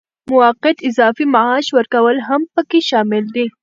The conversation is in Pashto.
موقت اضافي معاش ورکول هم پکې شامل دي.